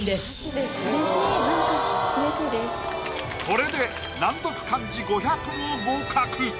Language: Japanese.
これで難読漢字５００を合格！